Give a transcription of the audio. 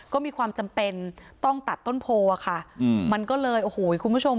ก็มีความจำเป็นต้องตัดต้นโพอะค่ะอืมมันก็เลยโอ้โหคุณผู้ชม